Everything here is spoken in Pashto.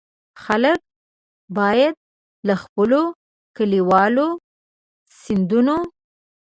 خلک باید له خپلو کلیوالو سیندونو.